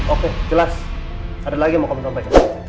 oke jelas ada lagi yang mau kamu sampaikan